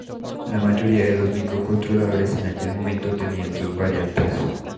La mayoría de los microcontroladores en aquel momento tenían dos variantes.